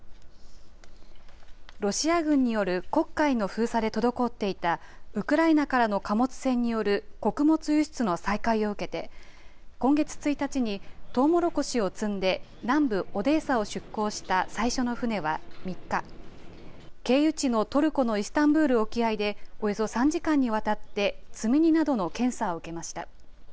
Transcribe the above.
ロシア軍による黒海の封鎖で滞っていたウクライナからの貨物船による穀物輸出の再開を受けて今月１日にトウモロコシを積んで南部オデーサを出港した最初の船は、３日経由地のトルコのイスタンブール沖合でおよそ３時間にわたって積み荷などの検査を受けました。